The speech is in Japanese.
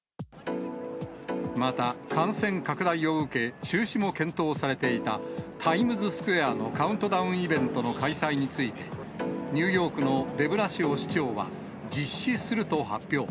また、感染拡大を受け、中止も検討されていたタイムズスクエアのカウントダウンイベントの開催について、ニューヨークのデブラシオ市長は、実施すると発表。